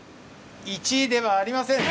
１位ではありません。